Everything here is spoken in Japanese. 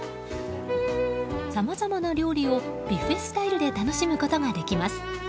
さまざまな料理をビュッフェスタイルで楽しむことができます。